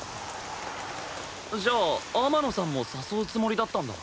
じゃあ天野さんも誘うつもりだったんだ？